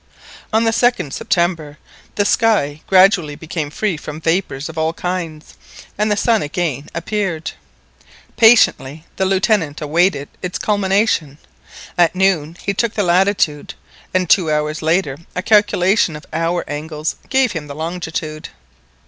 On the 2nd September the sky gradually became free from vapours of all kinds, and the sun again appeared. Patiently the Lieutenant awaited its culmination; at noon he took the latitude, and two hours later a calculation of hour angles gave him the longitude.